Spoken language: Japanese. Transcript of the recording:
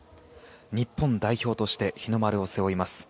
日本代表として日の丸を背負います。